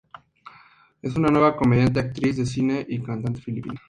Es una comediante, actriz de cine y cantante filipina.